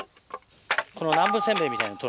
この南部せんべいみたいなの。